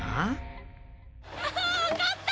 あわかった！